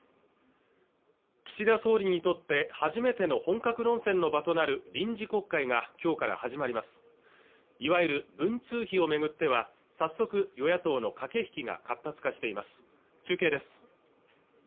岸田総理にとって初めての本格論戦の場となる臨時国会が今日から始まりますいわゆる文通費をめぐっては早速与野党の駆け引きが活発化しています中継です